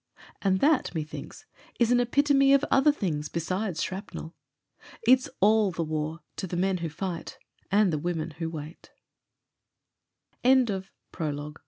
And that, methinks, is an epitome of other things besides shrapnel. It's all the war to the men who fight and the women who